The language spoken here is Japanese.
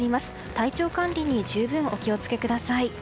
体調管理に十分、お気を付けください。